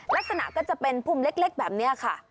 ลักษณะก็จะเป็นพุ่มเล็กแบบนี้ค่ะ